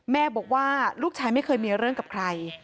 แม่บอกว่าลูกชายไม่เคยมีเรื่องกับใคร